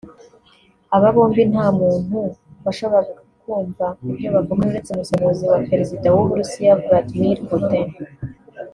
Aba bombi nta muntu washoboraga kumva ibyo bavugana uretse umusemuzi wa Perezida w’ u Burusiya Vladmir Putin